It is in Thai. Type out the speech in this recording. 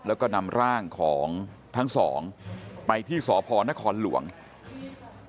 แล้วก็นำร่างของทั้งสองไปที่สพนครหลวง